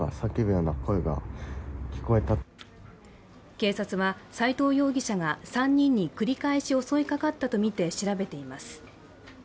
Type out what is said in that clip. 警察は斉藤容疑者が３人に繰り返し襲いかかったとみて調べています。